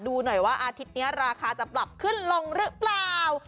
ดูหน่อยว่าอาทิตย์นี้ราคาจะปรับขึ้นลงหรือเปล่า